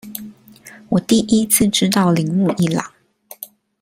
我第一次知道鈴木一朗